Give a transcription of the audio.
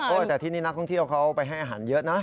แต่ที่นี่นักท่องเที่ยวเขาไปให้อาหารเยอะนะ